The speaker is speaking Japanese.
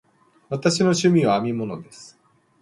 私の趣味は編み物です。